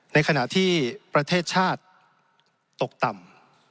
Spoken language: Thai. ในขณะที่ประเทศชาติตกต่ำ